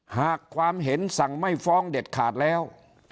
หากความเห็นสั่งไม่ฟ้องเด็ดขาดแล้ว